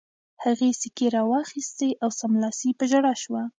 هغې سیکې را واخیستې او سملاسي په ژړا شوه